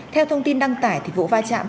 theo thông tin đăng tải thì vụ va chạm